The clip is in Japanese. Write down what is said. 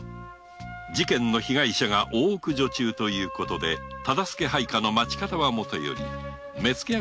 事件の被害者が大奥女中ということで大岡配下の町方はもとより「目付役」